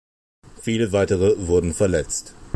Viele weitere wurden verletzt.